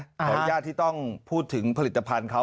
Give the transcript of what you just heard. ขออนุญาตที่ต้องพูดถึงผลิตภัณฑ์เขา